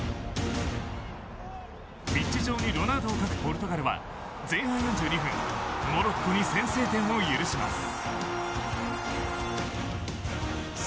ピッチ上にロナウドを欠くポルトガルは前半４２分モロッコに先制点を許します。